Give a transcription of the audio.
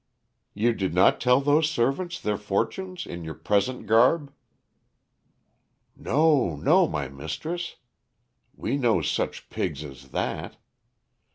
"You did not tell those servants their fortunes in your present garb?" "No, no, my mistress. We no such pigs as that....